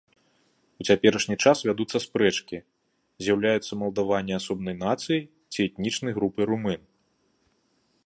У цяперашні час вядуцца спрэчкі, з'яўляюцца малдаване асобнай нацыяй ці этнічнай групай румын.